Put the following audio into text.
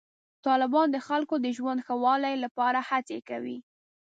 طالبان د خلکو د ژوند د ښه والي لپاره هڅې کوي.